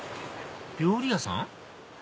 料理屋さん？